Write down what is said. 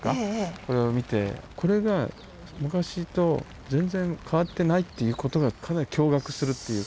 これを見てこれが昔と全然変わってないっていうことがかなり驚がくするっていうか。